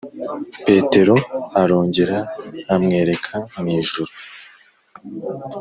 petero arongera amwereka mw'ijuru,